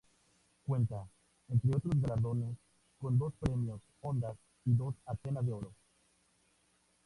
Cuenta, entre otros galardones, con dos Premios Ondas y dos Antena de Oro.